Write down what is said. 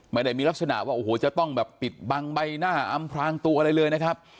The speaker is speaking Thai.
ไม่ได้มีลักษณะว่าโอ้โหจะต้องแบบปิดบังใบหน้าอำพลางตัวอะไรเลยนะครับ